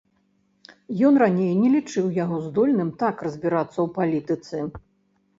Ён раней не лічыў яго здольным так разбірацца ў палітыцы.